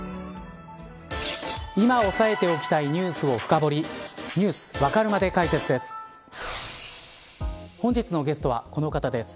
今押さえておきたいニュースを深掘りニュースわかるまで解説です。